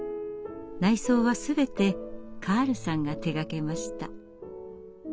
内装は全てカールさんが手がけました。